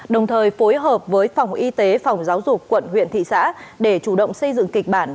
đồng thời phối hợp với phòng y tế phòng giáo dục quận huyện thị xã để chủ động xây dựng kịch bản